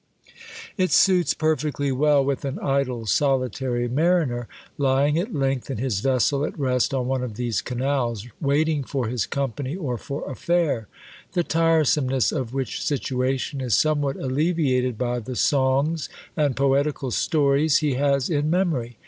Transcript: It suits perfectly well with an idle solitary mariner, lying at length in his vessel at rest on one of these canals, waiting for his company or for a fare; the tiresomeness of which situation is somewhat alleviated by the songs and poetical stories he has in memory.